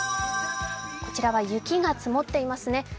こちらは雪が積もっていますね。